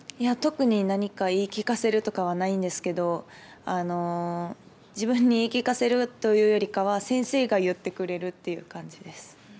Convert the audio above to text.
特に何か言い聞かせるとかはないんですが自分に言い聞かせるというよりかは先生が言ってくれるという感じです。